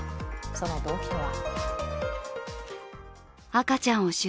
その動機とは。